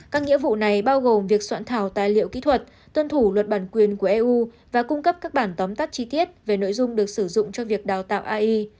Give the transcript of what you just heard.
các nghĩa vụ này bao gồm việc soạn thảo tài liệu kỹ thuật tuân thủ luật bản quyền của eu và cung cấp các bản tóm tắt chi tiết về nội dung được sử dụng cho việc đào tạo ai